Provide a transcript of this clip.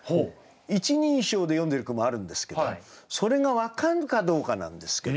一人称で詠んでる句もあるんですけどそれが分かるかどうかなんですけど。